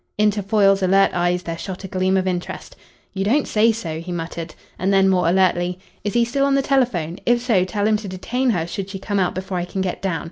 Into Foyle's alert eyes there shot a gleam of interest. "You don't say so?" he muttered. And then, more alertly, "Is he still on the telephone? If so, tell him to detain her should she come out before I can get down.